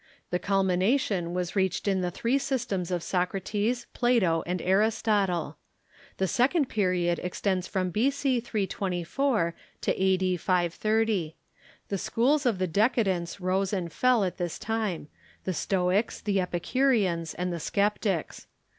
The culmination was reached in the three systems of Socrates, Plato, and Aristotle. The second period extends from b.c. 324 to A.i). 530. The schools of the decadence rose and fell at this time — the Stoics, the Epicureans, and the Sceptics.